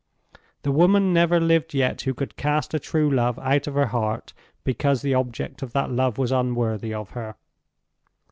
The woman never lived yet who could cast a true love out of her heart because the object of that love was unworthy of her.